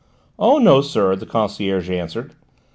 "Oh, no, sir," the concierge answered.